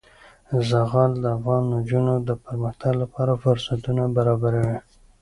زغال د افغان نجونو د پرمختګ لپاره فرصتونه برابروي.